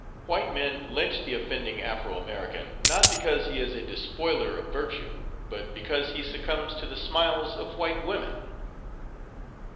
White men lynch the offending Afro American, not because he is a despoiler of virtue, but because he succumbs to the smiles of white women.